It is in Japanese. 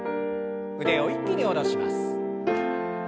腕を一気に下ろします。